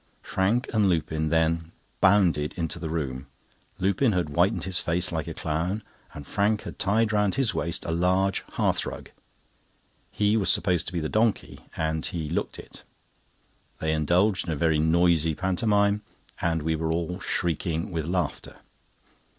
Frank and Lupin then bounded into the room. Lupin had whitened his face like a clown, and Frank had tied round his waist a large hearthrug. He was supposed to be the donkey, and he looked it. They indulged in a very noisy pantomime, and we were all shrieking with laughter.